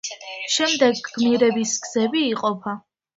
შემდეგ გმირების გზები იყოფა.